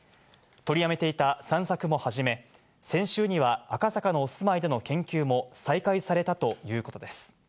取りやめていた散策も始め、先週には赤坂のお住まいでの研究も再開されたということです。